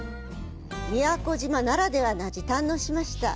宮古島ならではの味、堪能しました。